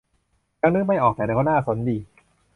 ยังนึกไม่ออก แต่ก็น่าสนดี